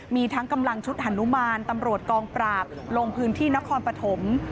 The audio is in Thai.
มีทั้งกำลังชุดฮานุมานตำรวจกองปราบลงพื้นที่นครปฐม